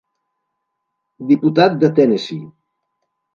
Diputat de Tennessee.